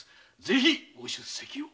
ぜひご出席を。